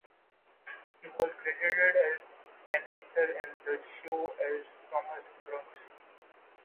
He was credited as an actor in the show as Thomas Bruce.